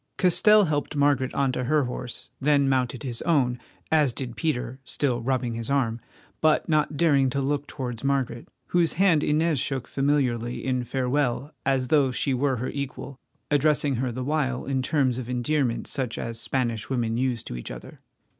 Castell helped Margaret on to her horse, then mounted his own, as did Peter, still rubbing his arm, but not daring to look towards Margaret, whose hand Inez shook familiarly in farewell as though she were her equal, addressing her the while in terms of endearment such as Spanish women use to each other.